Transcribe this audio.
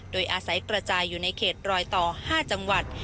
โดยอาศัยกระจายอยู่ในเขตรอยต่อ๕จังหวัด